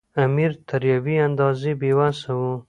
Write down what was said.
امیر تر یوې اندازې بې وسه وو.